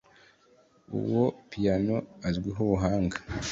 Uwo piyano azwiho ubuhanga